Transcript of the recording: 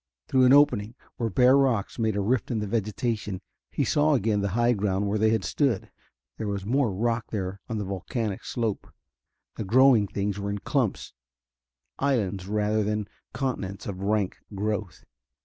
Through an opening, where bare rocks made a rift in the vegetation, he saw again the high ground where they had stood. There was more rock there on the volcanic slope: the growing things were in clumps islands, rather than continents of rank growth.